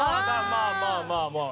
まあまあまあまあ。